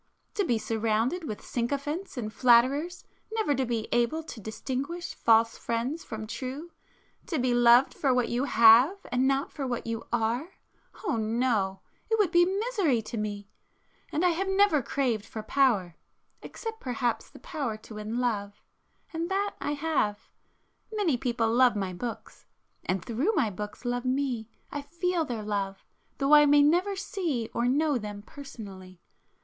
To be surrounded with sycophants and flatterers,—never to be able to distinguish false friends from true,—to be loved for what you have and not for what you are!—oh no, it would be misery to me. And I have never craved for power,—except perhaps the power to win love. And that I have,—many people love my books, and through my books love me,—I feel their love, though I may never see or know them personally.